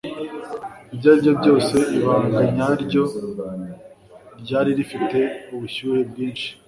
Ibyo ari byo byose ibanga ryarwo ryari rifite ubushyuhe bwinshi